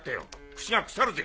口が腐るぜ！